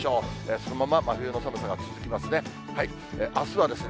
そのまま真冬の寒さが続きますね。